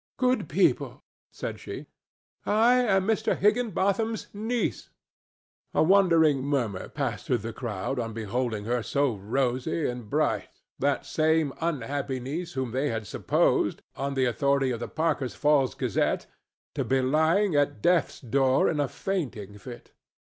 "Good people," said she, "I am Mr. Higginbotham's niece." A wondering murmur passed through the crowd on beholding her so rosy and bright—that same unhappy niece whom they had supposed, on the authority of the Parker's Falls Gazette, to be lying at death's door in a fainting fit.